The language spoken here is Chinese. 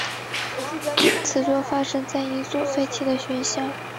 此作发生在一所废弃的学校。